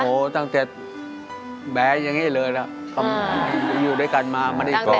โหตั้งแต่แบ๊ยอย่างนี้เลยล่ะอยู่ด้วยกันมามาดีกว่า